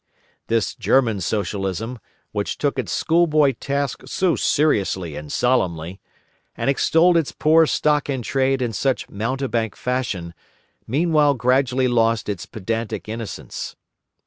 This German Socialism, which took its schoolboy task so seriously and solemnly, and extolled its poor stock in trade in such mountebank fashion, meanwhile gradually lost its pedantic innocence.